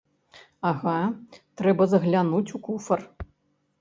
Ага, трэба заглянуць у куфар.